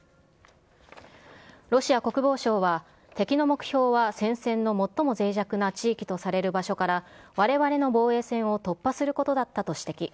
ロシア国防省は、敵の目標は戦線の最もぜい弱な地域とされる場所からわれわれの防衛線を突破することだったと指摘。